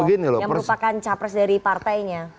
yang merupakan capres dari partainya